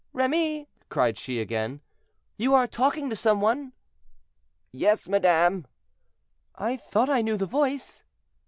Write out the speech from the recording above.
"Remy," cried she again, "you are talking to some one?" "Yes, madame." "I thought I knew the voice."